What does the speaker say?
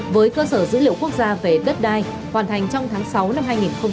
với cơ sở dữ liệu quốc gia về đất đai hoàn thành trong tháng sáu năm hai nghìn hai mươi